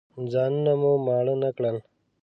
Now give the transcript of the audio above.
ځانونه مو ماړه نه کړل.